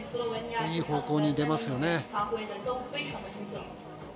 いい方向に出ますね。